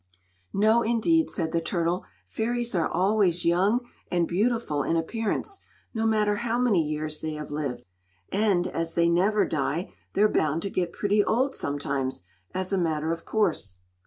"No, indeed!" said the turtle. "Fairies are always young and beautiful in appearance, no matter how many years they have lived. And, as they never die, they're bound to get pretty old sometimes, as a matter of course."